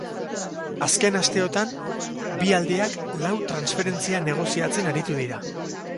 Azken asteotan bi aldeak lau transferentzia negoziatzen aritu dira.